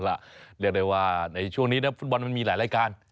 เรียกเลยว่าช่วงนี้ฟุตบอลมีหลายรายการ